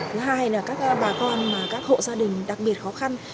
thứ hai là các bà con các hộ gia đình đặc biệt khó khăn